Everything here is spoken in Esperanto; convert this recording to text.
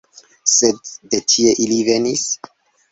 Sed de kie ili venis?